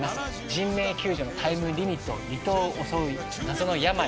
人命救助のタイムリミット離島を襲う謎の病。